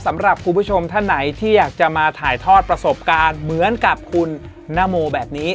สำหรับคุณผู้ชมท่านไหนที่อยากจะมาถ่ายทอดประสบการณ์เหมือนกับคุณนโมแบบนี้